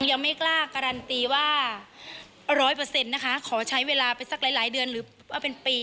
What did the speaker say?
ยังไม่กล้าการันตีว่า๑๐๐นะคะขอใช้เวลาไปสักหลายเดือนหรือเป็นปี